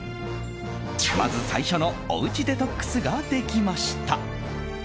まず最初のおうちデトックスができました。